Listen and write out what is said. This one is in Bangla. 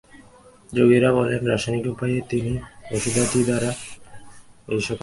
যোগীরা বলেন, রাসায়নিক উপায়ে অর্থাৎ ঔষধাদি দ্বারা এই-সকল শক্তি লাভ করা যাইতে পারে।